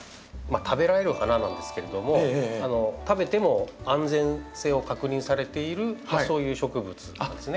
食べられる花なんですけれども食べても安全性を確認されているそういう植物ですね。